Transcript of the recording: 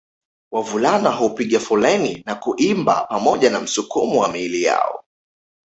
Wavulana hupiga foleni na kuimba pamoja na msukumo wa miili yao